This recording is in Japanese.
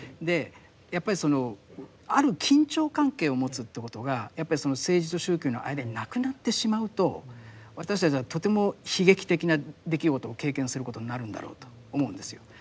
やっぱりそのある緊張関係を持つということがやっぱり政治と宗教の間になくなってしまうと私たちはとても悲劇的な出来事を経験することになるんだろうと思うんですよ。